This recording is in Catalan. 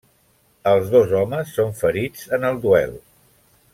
Els dos homes són ferits en el duel.